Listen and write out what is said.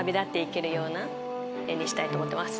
ような絵にしたいと思ってます。